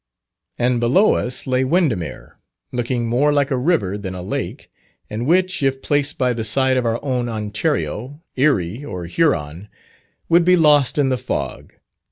And below us lay Windermere, looking more like a river than a lake, and which, if placed by the side of our own Ontario, Erie or Huron, would be lost in the fog.